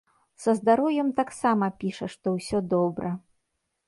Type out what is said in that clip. Са здароўем таксама піша, што ўсё добра.